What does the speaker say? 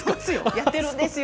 やってるんですよ。